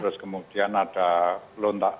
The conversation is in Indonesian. terus kemudian ada lontak